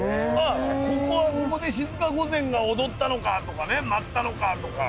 ここはここで静御前が踊ったのかとかね舞ったのかとか。